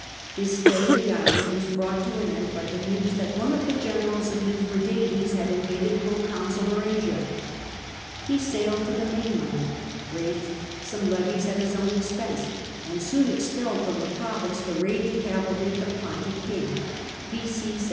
His stay in the island was bi ought to an end by the news that one of the generals of Mithradatcs had invaded pro consular Asia, He sailed to the mainland, raised some levies at his own expense, and soon expelled from the province the raiding cavalry of the Pontic king (b.c.